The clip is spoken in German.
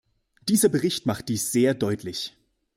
Dieser Bericht macht dies sehr deutlich.